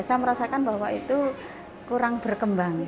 saya merasakan bahwa itu kurang berkembang